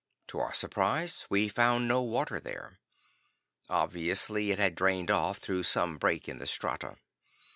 To our surprise, we found no water there. Obviously it had drained off through some break in the strata.